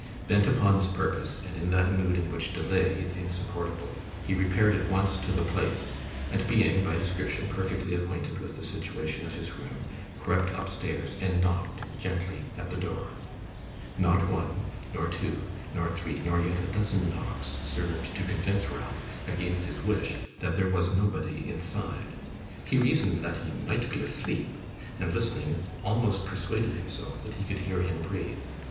Bent upon this purpose, and in that mood in which delay is insupportable, he repaired at once to the place; and being, by description, perfectly acquainted with the situation of his room, crept upstairs and knocked gently at the door. Not one, nor two, nor three, nor yet a dozen knocks, served to convince Ralph, against his wish, that there was nobody inside. He reasoned that he might be asleep; and, listening, almost persuaded himself that he could hear him breathe.